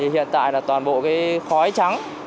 hiện tại là toàn bộ khói trắng